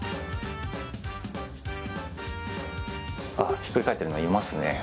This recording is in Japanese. ひっくり返っているのがいますね。